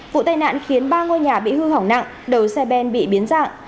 vụ tai nạn khiến ba ngôi nhà bị hư hỏng nặng đầu xe ben bị biến dạng